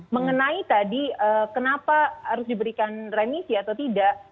mengenai tadi kenapa harus diberikan remisi atau tidak